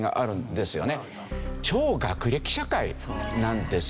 超学歴社会なんですよね。